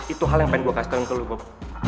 itu hal yang pengen gue kasih tauin ke lo bob